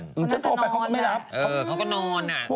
เขาน่าจะนอนหรอกอะเขาก็นอนอะเขาตัวไปเขาก็ไม่รับ